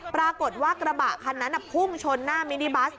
ปรากฏว่ากระบะคันนั้นน่ะพุ่งชนหน้ามินิบัส